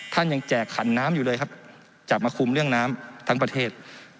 ท่านยังแจกขันน้ำอยู่เลยครับจับมาคุมเรื่องน้ำทั้งประเทศ